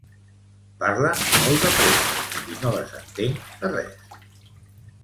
Parlen molt de pressa i no les entenc de res